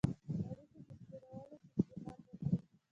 اړيکو بهترولو پېشنهاد وکړي.